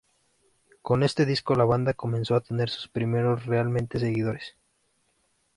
Con este disco la banda comenzó a tener sus primeros, realmente, seguidores.